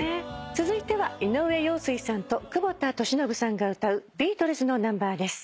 続いては井上陽水さんと久保田利伸さんが歌うビートルズのナンバーです。